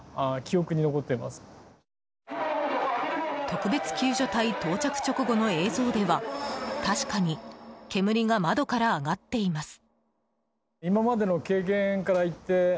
特別救助隊到着直後の映像では確かに煙が窓から上がっています。